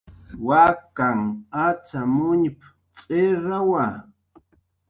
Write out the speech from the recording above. "Waknhan acxamuñp"" tz'irrawa"